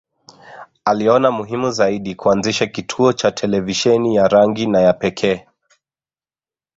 Aliona muhimu zaidi kuanzisha kituo cha televisheni ya rangi na ya pekee